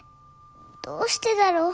どうしてだろう。